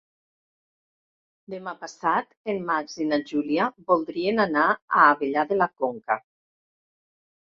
Demà passat en Max i na Júlia voldrien anar a Abella de la Conca.